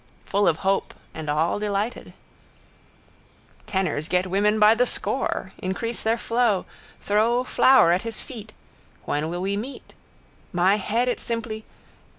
—Full of hope and all delighted... Tenors get women by the score. Increase their flow. Throw flower at his feet. When will we meet? My head it simply.